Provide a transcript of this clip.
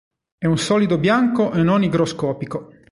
È un solido bianco e non igroscopico.